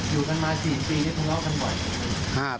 อยู่กันมา๔ปีแล้วทะเลาะกันบ่อยครับ